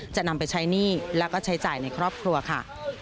จะนำไปใช้หนี้แล้วก็ใช้จ่ายในครอบครัวค่ะ